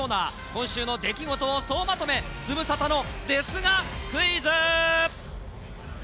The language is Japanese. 今週の出来事を総まとめ、ズムサタのですがクイズ。